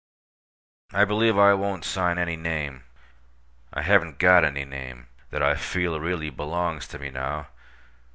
I believe I won't sign any name—I haven't got any name—that I feel really belongs to me now.